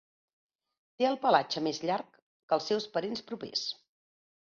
Té el pelatge més llarg que els seus parents propers.